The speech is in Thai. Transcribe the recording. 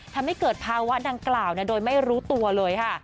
ทำให้เกิดภาวะดังกล่าวโดยไม่รู้ตัวเลยค่ะ